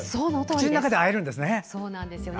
口の中であえるんですね。